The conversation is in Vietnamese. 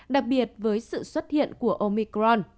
đặc biệt với sự xuất hiện của omicron